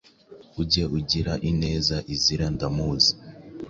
ati ujye ugira ineza izira ndamuzi,